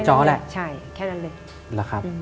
ใช่